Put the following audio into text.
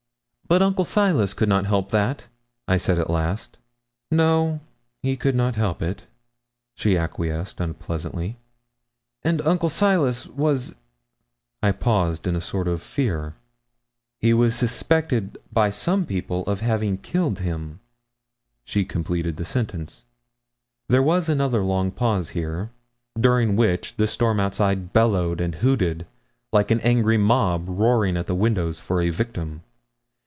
'But Uncle Silas could not help that,' I said at last. 'No, he could not help it,' she acquiesced unpleasantly. 'And Uncle Silas was' I paused in a sort of fear. 'He was suspected by some people of having killed him' she completed the sentence. There was another long pause here, during which the storm outside bellowed and hooted like an angry mob roaring at the windows for a victim.